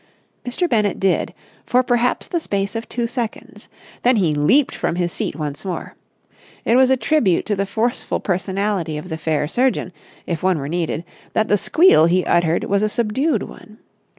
Mr. Bennett did—for perhaps the space of two seconds. Then he leaped from his seat once more. It was a tribute to the forceful personality of the fair surgeon, if one were needed, that the squeal he uttered was a subdued one.